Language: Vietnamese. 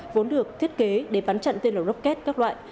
vốn được thiết kế để bắn chặn tên lửa rocket các loại